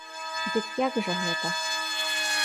Дык як жа гэта?